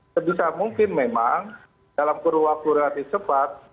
sejujurnya mungkin memang dalam kurwa kurati cepat